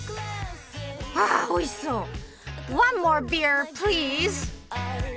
あおいしそう！